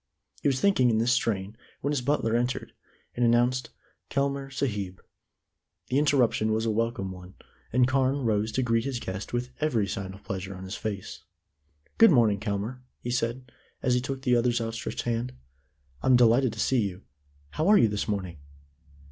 He was thinking in this strain when his butler entered, and announced "Kelmare Sahib." The interruption was a welcome one, and Carne rose to greet his guest with every sign of pleasure on his face. "Good morning, Kelmare," he said, as he took the other's outstretched hand; "I'm delighted to see you. How are you this morning?"